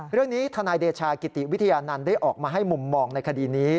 ทนายเดชากิติวิทยานันต์ได้ออกมาให้มุมมองในคดีนี้